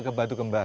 ke batu kembar